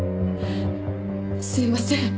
すいません。